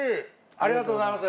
ありがとうございます。